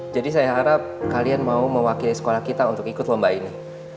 jadi saya harap kalian mau mewakili sekolah kita untuk ikut lomba ini